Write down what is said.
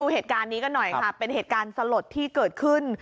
เหตุการณ์นี้กันหน่อยค่ะเป็นเหตุการณ์สลดที่เกิดขึ้น